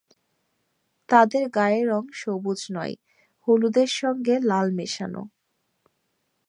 তাদের গায়ের রঙ সবুজ নয়, হলুদের সঙ্গে লাল মেশানো।